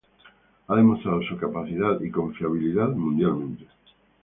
Ha demostrado su capacidad y confiabilidad mundialmente.